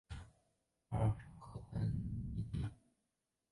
阿夫尔河畔蒙蒂尼。